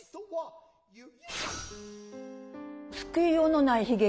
「救いようのない悲劇」